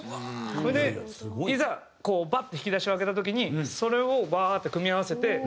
それでいざバッて引き出しを開けた時にそれをバーッて組み合わせて構築。